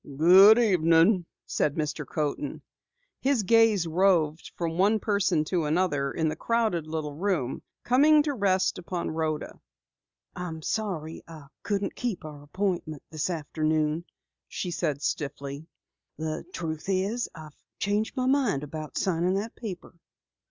"Good evening," said Mr. Coaten. His gaze roved from one person to another in the crowded little room, coming to rest upon Rhoda. "I'm sorry I couldn't keep our appointment this afternoon," she said stiffly. "The truth is, I've changed my mind about signing that paper."